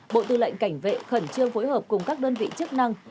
bộ tư lệnh cảnh vệ khẩn trương phối hợp cùng các đơn vị chức năng